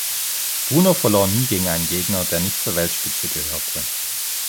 Bruno verlor nie gegen einen Gegner der nicht zur Weltspitze gehörte.